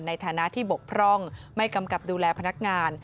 ในฐานะที่บกพร่องไม่กำกับดูแลพนักงาน